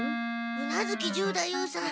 宇奈月十太夫さん